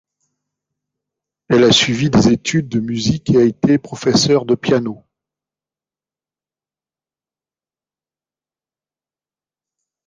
Elle a suivi des études de musique et a été professeur de piano.